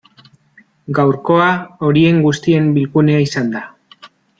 Gaurkoa horien guztien bilgunea izan da.